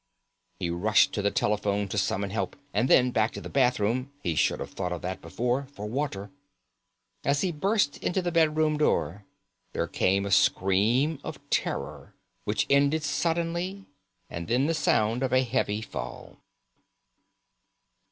He rushed to the telephone to summon help, and then back to the bathroom—he should have thought of that before—for water. As he burst open the bedroom door there came a scream of terror which ended suddenly, and then the sound of a heavy fall.